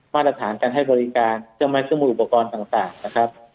มาตรฐานการให้บริการเชื่อมายเชื่อมูลอุปกรณ์ต่างนะครับ